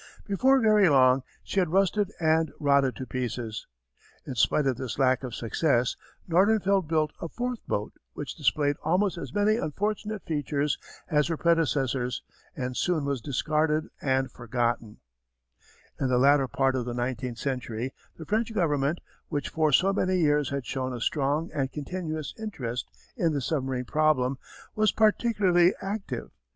Before very long she had rusted and rotted to pieces. In spite of this lack of success, Nordenfeldt built a fourth boat which displayed almost as many unfortunate features as her predecessors and soon was discarded and forgotten. [Illustration: Photo by Bain News Service. An Anti Aircraft Outpost.] In the latter part of the nineteenth century the French Government, which for so many years had shown a strong and continuous interest in the submarine problem, was particularly active.